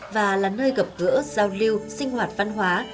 và là nơi gặp gỡ giao lưu sinh hoạt văn hóa